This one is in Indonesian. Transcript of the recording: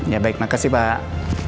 ya baik makasih pak